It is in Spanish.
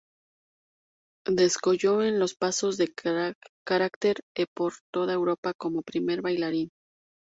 Descolló en los pasos de carácter e por toda Europa como primer bailarín.